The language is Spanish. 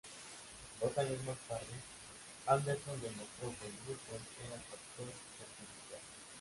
Dos años más tarde, Anderson demostró que el gluten era el factor perjudicial.